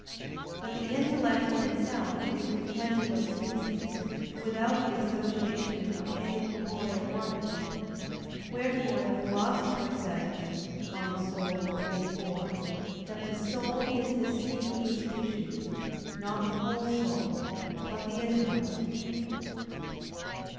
But the intellect in itself is retentive of species, without the association of any corporeal organ. Wherefore the Philosopher says (De Anima iii, 4) that "the soul is the seat of the species, not the whole soul, but the intellect."